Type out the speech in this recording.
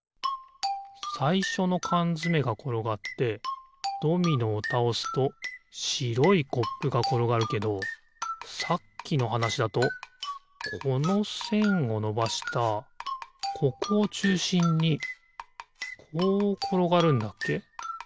さいしょのかんづめがころがってドミノをたおすとしろいコップがころがるけどさっきのはなしだとこのせんをのばしたここをちゅうしんにこうころがるんだっけ？